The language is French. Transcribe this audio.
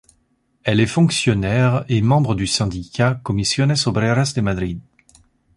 Elle est fonctionnaire et membre du syndicat Comisiones Obreras de Madrid.